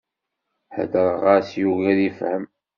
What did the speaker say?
Heddreɣ-as, yugi ad ifhem.